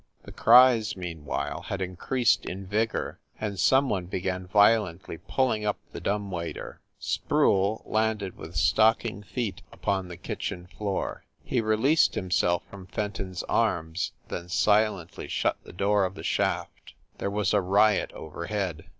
The cries, meanwhile, had increased in vigor, and some one began violently pulling up the dumb waiter. Sproule landed with stocking feet upon the kitchen floor. He released himself from Fenton s arms, then silently shut the door of the shaft. There was a riot overhead.